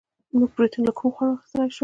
موږ پروټین له کومو خوړو اخیستلی شو